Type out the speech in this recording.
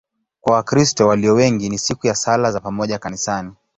Kwa Wakristo walio wengi ni siku ya sala za pamoja kanisani.